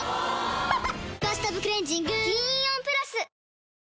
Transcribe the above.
・おぉ「バスタブクレンジング」銀イオンプラス！